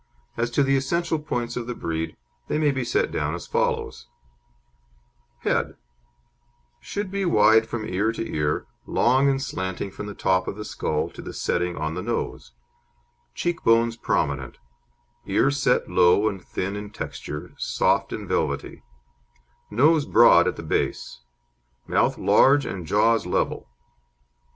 As to the essential points of the breed, they may be set down as follows: HEAD Should be wide from ear to ear, long and slanting from the top of the skull to the setting on of the nose; cheek bones prominent; ears set low and thin in texture, soft and velvety; nose broad at the base; mouth large and jaws level.